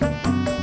sampai jumpa lagi